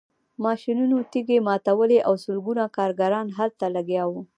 ماشینونو تیږې ماتولې او سلګونه کارګران هلته لګیا وو